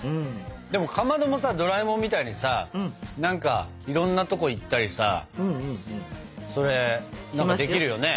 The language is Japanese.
でもかまどもさドラえもんみたいにさ何かいろんなとこ行ったりさそれできるよね。